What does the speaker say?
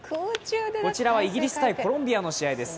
こちらはイギリス×コロンビアの試合です。